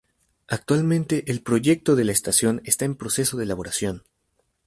Actualmente el proyecto de la estación está en proceso de elaboración.